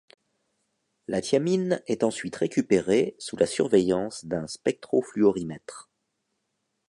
La thiamine est ensuite récupérée sous la surveillance d'un spectrofluorimètre.